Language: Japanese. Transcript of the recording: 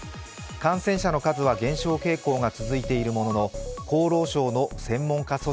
感染者の数は減少傾向が続いているものの厚労省の専門家